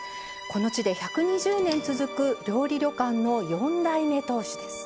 この地で１２０年続く料理旅館の４代目当主です。